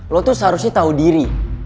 lo tuh seharusnya tahu diri